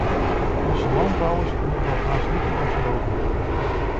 Onze landbouwers kunnen dat haast niet meer geloven.